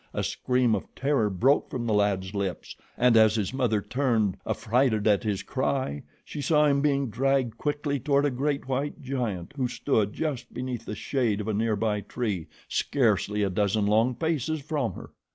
A scream of terror broke from the lad's lips, and as his mother turned, affrighted at his cry, she saw him being dragged quickly toward a great white giant who stood just beneath the shade of a near by tree, scarcely a dozen long paces from her.